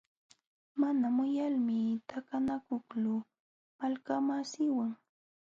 Mana muyalmi takanakuqluu malkamasiiwan.